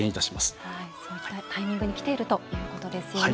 そのタイミングにきているということですよね。